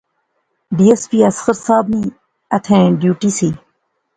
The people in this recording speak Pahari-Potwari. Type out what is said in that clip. ڈی ایس پی اصغر صاحب نی ایتھیں ڈیوٹی سی